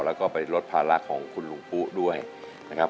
แล้วก็ไปลดภาระของคุณลุงปุ๊ด้วยนะครับ